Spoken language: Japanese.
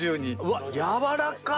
うわっやわらかっ！